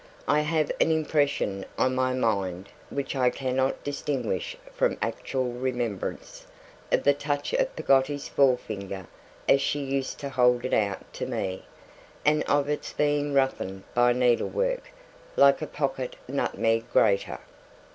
I have an impression on my mind which I cannot distinguish from actual remembrance, of the touch of Peggotty's forefinger as she used to hold it out to me, and of its being roughened by needlework, like a pocket nutmeg grater.